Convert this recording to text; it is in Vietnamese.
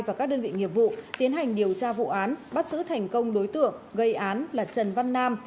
và các đơn vị nghiệp vụ tiến hành điều tra vụ án bắt giữ thành công đối tượng gây án là trần văn nam